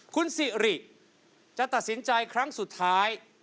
คุณสิริจะตัดสินใจครั้งสุดท้าย